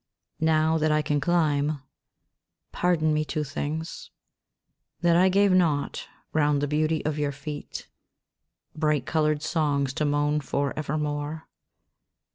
Now that I can climb Pardon me two things — That I gave not, round the beauty of your feet, Bright coloured songs to moan for ever more.